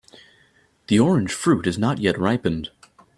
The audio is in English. The orange fruit is not yet ripened.